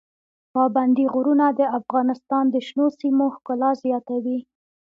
پابندي غرونه د افغانستان د شنو سیمو ښکلا زیاتوي.